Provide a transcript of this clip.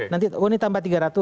nanti oh ini tambah tiga ratus